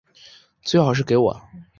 最好是给我